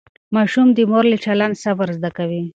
ماشوم د مور له چلند صبر زده کوي.